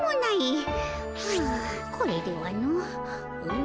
はあこれではの。